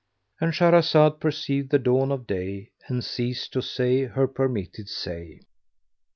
—And Shahrazad perceived the dawn of day, and ceased to say her permitted say.